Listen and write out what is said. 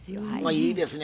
いいですね